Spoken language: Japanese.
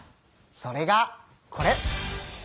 それがこれ！